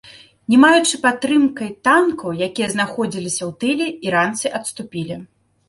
Не маючы падтрымкай танкаў, якія знаходзіліся ў тыле, іранцы адступілі.